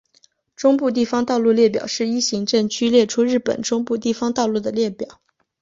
中部地方道路列表是依行政区列出日本中部地方道路的列表。